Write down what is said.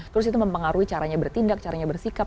terus itu mempengaruhi caranya bertindak caranya bersikap